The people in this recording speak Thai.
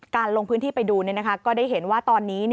ลงพื้นที่ไปดูก็ได้เห็นว่าตอนนี้